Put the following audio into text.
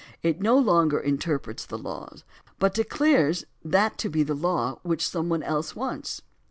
It no longer interprets the law, but it declares that to be the law which someone else wants.